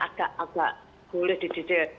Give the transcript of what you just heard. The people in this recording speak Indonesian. agak agak boleh dididik